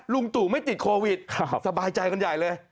ลุงตู่ไม่ติดโควิดสบายใจกันใหญ่เลย